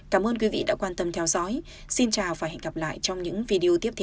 cảm ơn quý vị đã quan tâm theo dõi xin chào và hẹn gặp lại trong những video tiếp theo